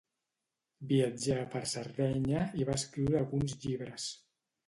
Viatjà per Sardenya i va escriure alguns llibres.